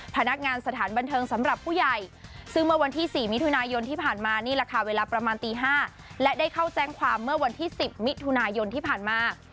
พนักงานสถานบันเทิงสำหรับผู้ใหญ่ซึ่งเมื่อวันที่๔มิถุนายนที่ผ่านมานี่แหละค่ะเวลาประมาณตี๕และได้เข้าแจ้งความเมื่อวันที่๑๐มิถุนายนที่ผ่านมา